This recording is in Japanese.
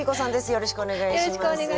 よろしくお願いします。